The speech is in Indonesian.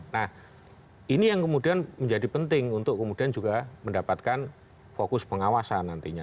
nah ini yang kemudian menjadi penting untuk kemudian juga mendapatkan fokus pengawasan nantinya